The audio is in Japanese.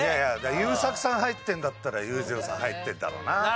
優作さん入ってるんだったら裕次郎さん入ってるだろうなって。